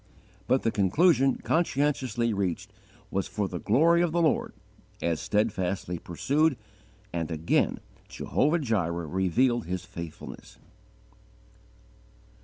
But the conclusion conscientiously reached was, for the glory of the Lord, as steadfastly pursued, and again Jehovah Jireh revealed His faithfulness.